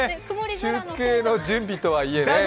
中継の準備とはいえね。